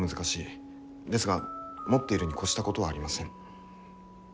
ですが持っているに越したことはありません。